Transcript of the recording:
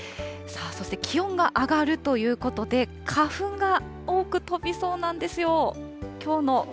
そして気温が上がるということで、花粉が多く飛びそうなんですよ。